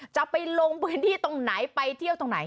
จะไปลงพื้นที่ตรงไหนไปเที่ยวตรงไหน